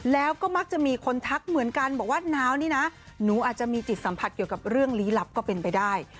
แล้วก็มักจะมีคนทักเหมือนกันบอกว่านาวนี่นะหนูอาจจะมีจิตสัมผัสเกี่ยวกับเรื่องลี้ลับก็เป็นไปได้